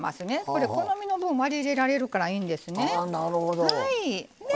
これ好みの分割り入れられるからいいんですね。